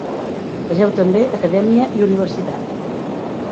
Vegeu també acadèmia i universitat.